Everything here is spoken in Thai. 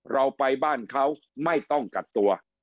เราไปบ้านเขาไม่ต้องกักตัว